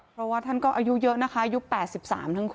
เพราะว่าท่านก็อายุเยอะนะคะอายุ๘๓ทั้งคู่